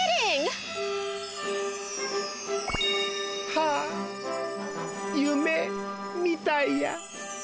はあゆめみたいや。